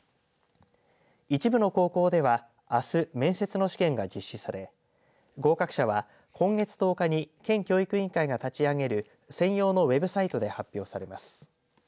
一部の高校ではあす、面接の試験が実施され合格者は今月１０日に県教育委員会が立ち上げる専用のウェブサイトで発表されます。